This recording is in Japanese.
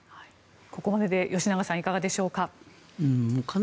ここまでで吉永さんいかがでしょうか。